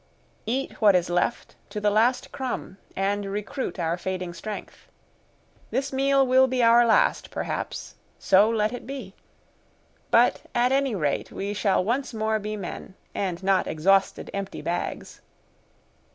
"Eat what is left to the last crumb, and recruit our fading strength. This meal will be our last, perhaps: so let it be! But at any rate we shall once more be men, and not exhausted, empty bags."